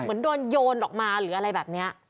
เหมือนโดนโยนออกมาหรืออะไรแบบนี้